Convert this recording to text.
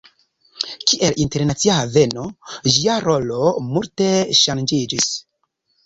Kiel internacia haveno, ĝia rolo multe ŝanĝiĝis.